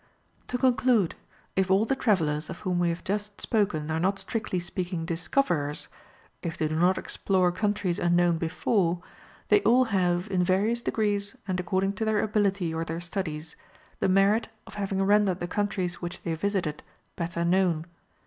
To conclude, if all the travellers of whom we have just spoken are not strictly speaking discoverers, if they do not explore countries unknown before, they all have, in various degrees and according to their ability or their studies, the merit of having rendered the countries which they visited better known.